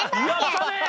やったね！